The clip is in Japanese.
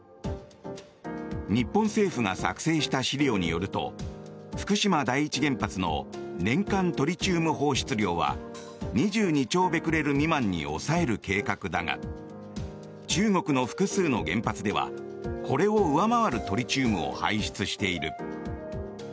日本政府が作成した資料によると福島第一原発の年間トリチウム放出量は２２兆ベクレル未満に抑える計画だが中国の複数の原発ではこれを上回るトリチウムを排出している。